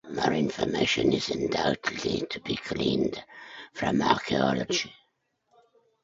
More information is undoubtedly to be gleaned from archaeology.